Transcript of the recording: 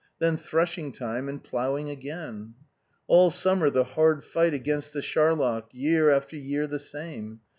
Then threshing time and ploughing again. All summer the hard fight against the charlock, year after year the same.